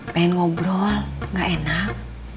pengen ngobrol gak enak